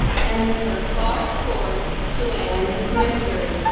Tends her far course to lands of mystery?